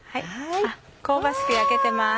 香ばしく焼けてます。